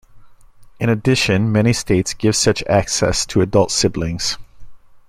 In addition many states give such access to adult siblings.